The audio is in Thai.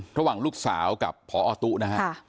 ระหว่างลูกสาวกับพอตู้นะฮะ